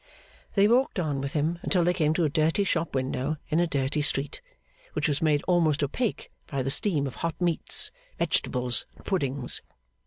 They walked on with him until they came to a dirty shop window in a dirty street, which was made almost opaque by the steam of hot meats, vegetables, and puddings.